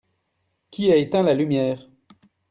Qui a éteint la lumière ?